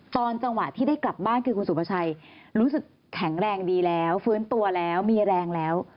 จังหวะที่ได้กลับบ้านคือคุณสุภาชัยรู้สึกแข็งแรงดีแล้วฟื้นตัวแล้วมีแรงแล้ว